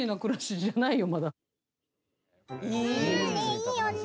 いいよね。